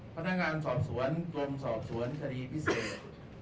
พนักงานสอบสวนกรมสอบสวนคดีพิเศษ